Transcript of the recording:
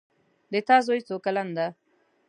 د تا زوی څو کلن ده